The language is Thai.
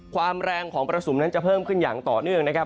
ความแรงของประสุมนั้นจะเพิ่มขึ้นอย่างต่อเนื่องนะครับ